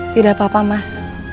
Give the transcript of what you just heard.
tidak apa apa mas